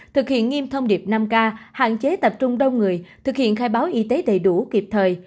thực hiện nghiêm thông điệp năm k hạn chế tập trung đông người thực hiện khai báo y tế đầy đủ kịp thời